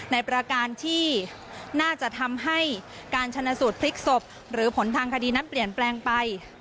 ประการที่น่าจะทำให้การชนะสูตรพลิกศพหรือผลทางคดีนั้นเปลี่ยนแปลงไป